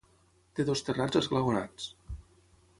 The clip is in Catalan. Té dos terrats esglaonats.